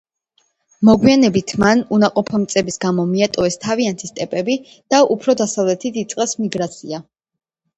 მოგვიანებით, მათ უნაყოფო მიწების გამო მიატოვეს თავიანთი სტეპები და უფრო დასავლეთით იწყეს მიგრაცია.